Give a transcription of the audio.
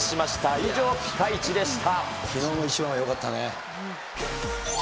以上、ピカイチでした。